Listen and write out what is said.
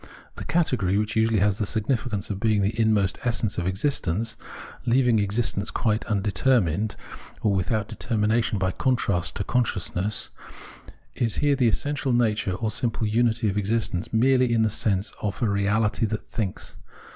The category, which usually had the significance of being the inmost essence of existence — leaving existence quite undeter mined, or without determination by contrast to con sciousness — is here the essential natm'e or simple imity of existence merely in the sense of a reaUty that thinks.